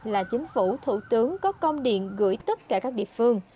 là chính phủ thủ tướng có công điện gửi tất cả các địa phương